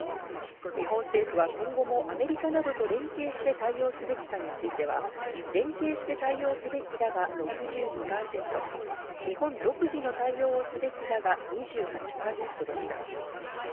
日本政府は今後もアメリカなどと連携して対応すべきかについては、連携して対応すべきだが６２％、日本独自の対応すべきだが２８％でした。